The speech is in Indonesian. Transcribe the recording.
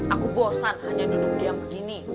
aku bosan hanya duduk diam begini